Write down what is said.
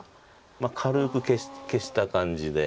軽く消した感じで。